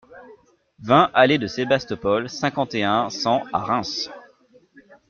vingt allée de Sébastopol, cinquante et un, cent à Reims